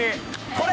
これ。